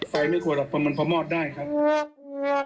ไฟไม่กลัวหรอกเพราะมันพอมอดได้ครับ